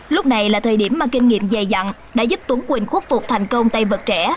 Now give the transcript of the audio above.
lúc này là thời điểm mà kinh nghiệm dày dặn đã giúp tuấn quỳnh khuất phục thành công tay vật trẻ